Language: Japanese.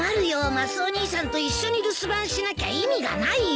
マスオ兄さんと一緒に留守番しなきゃ意味がないよ！